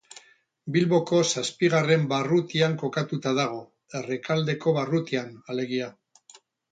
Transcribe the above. Bilboko zazpigarren barrutian kokatuta dago, Errekaldeko barrutian alegia.